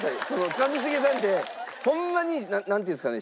一茂さんってホンマになんていうんですかね